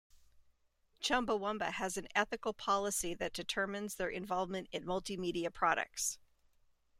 Chumbawamba has an ethical policy that determines their involvement in multimedia products.